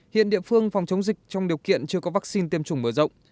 hiện địa phương phòng chống dịch trong điều kiện chưa có vaccine tiêm chủng mở rộng